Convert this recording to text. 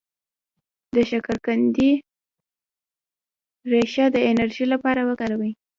د شکرقندي ریښه د انرژی لپاره وکاروئ